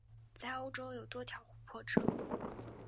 在欧洲有多条琥珀之路。